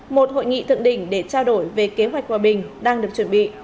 một hội nghị thượng đỉnh để trao đổi về kế hoạch hòa bình đang được chuẩn bị